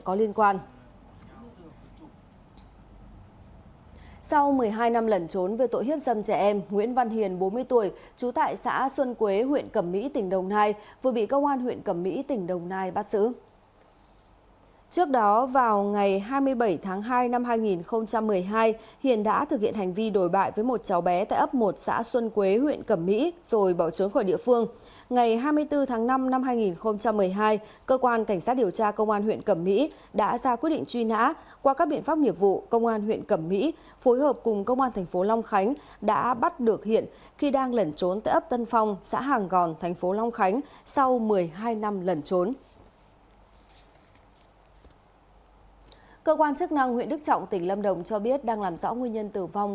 cơ quan chức năng huyện đức trọng tỉnh lâm đồng cho biết đang làm rõ nguyên nhân tử vong